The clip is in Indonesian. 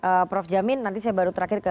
oke prof jamin nanti saya baru terakhir ke